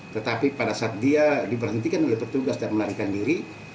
tetapi pada saat dia diberhentikan oleh petugas dan melarikan diri